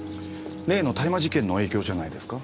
例の大麻事件の影響じゃないですか？